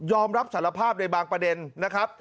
อมรับสารภาพในบางประเด็นนะครับ